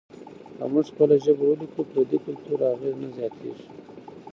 که موږ خپله ژبه ولیکو، پردي کلتور اغېز نه زیاتیږي.